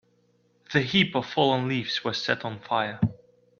The heap of fallen leaves was set on fire.